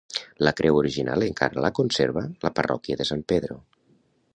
La creu original encara la conserva la parròquia de San Pedro.